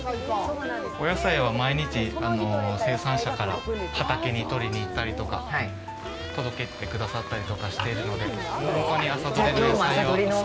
お野菜は毎日、生産者から畑にとりに行ったりとか届けてくださったりとかしているので本当に朝どれの野菜を。